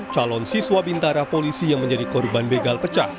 calon siswa bintara polisi yang menjadi korban begal pecah